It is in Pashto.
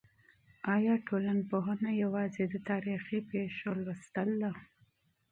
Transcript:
آیا ټولنپوهنه یوازې د تاریخي پېښو مطالعه ده؟